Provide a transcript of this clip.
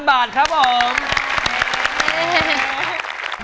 ๑๕๐๐๐บาทครับผม